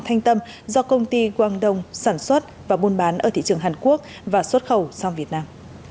thanh tâm do công ty quang đông sản xuất và buôn bán ở thị trường hàn quốc và xuất khẩu sang việt nam